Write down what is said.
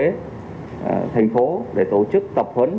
công an thành phố để tổ chức tập huấn